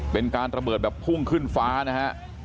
เป็นการระเบิดแบบพุ่งขึ้นฟ้านะฮะ